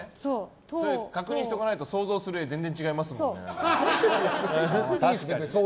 確認しておかないと想像する画が全然違いますよね。